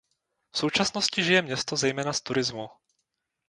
V současnosti žije město zejména z turismu.